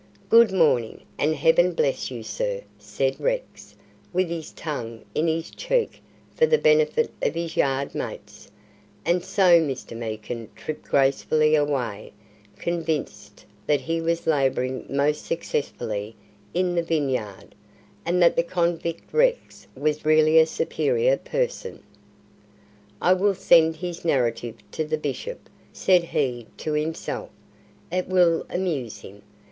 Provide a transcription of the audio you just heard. "Good morning, and Heaven bless you, sir," said Rex, with his tongue in his cheek for the benefit of his yard mates; and so Mr. Meekin tripped gracefully away, convinced that he was labouring most successfully in the Vineyard, and that the convict Rex was really a superior person. "I will send his narrative to the Bishop," said he to himself. "It will amuse him.